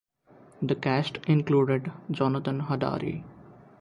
The cast included Jonathan Hadary.